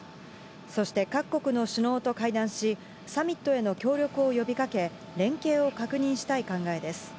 そして各国の首脳と会談し、サミットへの協力を呼びかけ、連携を確認したい考えです。